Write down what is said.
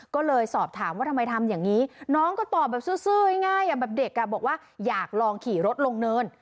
ก็เลยสอบถามว่าทำไมทำอย่างนี้น้องก็ตอบแบบซื้อง่ายแบบเด็กบอกว่าอยากลองขี่รถลงเนิน